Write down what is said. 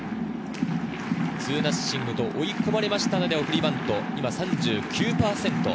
ツーナッシングと追い込まれましたので送りバント、３９％。